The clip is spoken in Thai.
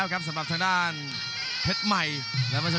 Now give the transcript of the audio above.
กรุงฝาพัดจินด้า